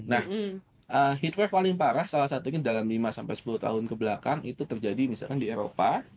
nah heatwave paling parah salah satunya dalam lima sampai sepuluh tahun kebelakang itu terjadi misalkan di eropa